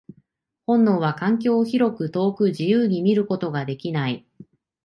本能は環境を広く、遠く、自由に見ることができない。